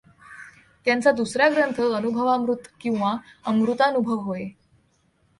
त्यांचा दुसरा ग्रंथ अनुभवामृत किंवा अमृतानुभव होय.